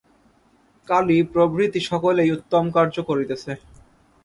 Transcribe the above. কালী প্রভৃতি সকলেই উত্তম কার্য করিতেছে।